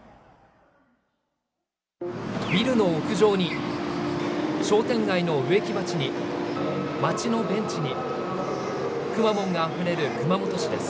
ビルの屋上に商店街の植木鉢に街のベンチにくまモンがあふれる熊本市です。